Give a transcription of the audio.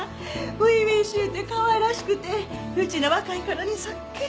初々しゅうてかわいらしくてうちの若いころにそっくり。